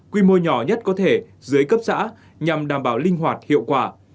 quy mô nhỏ nhất có thể dưới cấp xã nhằm đảm bảo linh hoạt hiệu quả